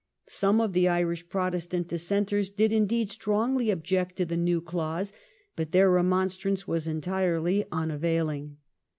Some of the Irish Protestant dis senters did indeed strongly object to the new clause, but their remonstrance was entirely unavailing.